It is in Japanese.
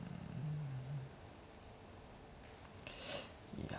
いや。